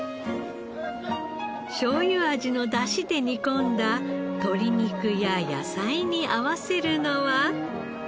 しょうゆ味のだしで煮込んだ鶏肉や野菜に合わせるのは。